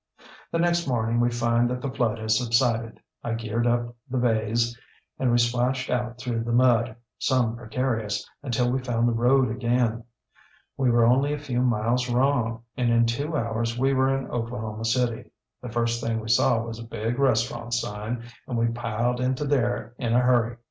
ŌĆ£The next morning we find that the flood has subsided. I geared up the bays, and we splashed out through the mud, some precarious, until we found the road again. We were only a few miles wrong, and in two hours we were in Oklahoma City. The first thing we saw was a big restaurant sign, and we piled into there in a hurry.